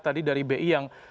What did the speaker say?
tadi dari bi yang